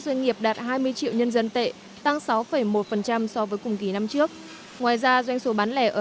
doanh nghiệp đạt hai mươi triệu nhân dân tệ tăng sáu một so với cùng kỳ năm trước ngoài ra doanh số bán lẻ ở